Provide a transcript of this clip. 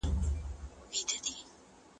کېدای سي تکړښت سخت وي؟